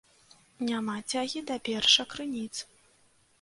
Няма цягі да першакрыніц.